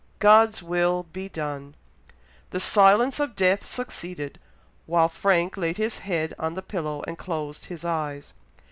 God's will be done!" The silence of death succeeded, while Frank laid his head on the pillow and closed his eyes.